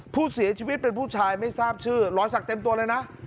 ผู้เสียชีวิตเป็นผู้ชายไม่ทราบชื่อรอยสักเต็มตัวเลยนะ